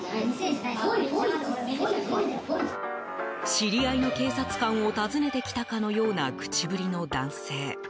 知り合いの警察官を訪ねてきたかのような口ぶりの男性。